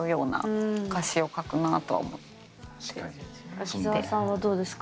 秋澤さんはどうですか？